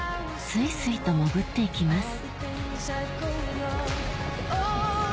スイスイと潜って行きます